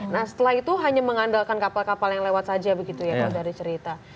nah setelah itu hanya mengandalkan kapal kapal yang lewat saja begitu ya kalau dari cerita